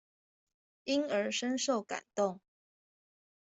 因而深受感動